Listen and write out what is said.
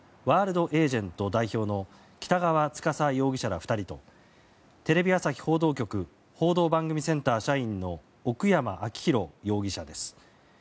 ワールドエージェント代表の北川督容疑者ら２人とテレビ朝日報道局報道番組センター社員の奥山明宏容疑者です。